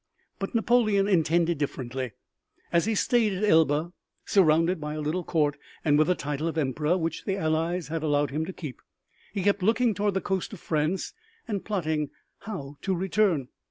But Napoleon intended differently. As he stayed at Elba surrounded by a little court and with the title of Emperor which the Allies had allowed him to keep, he kept looking toward the coast of France and plotting how to return.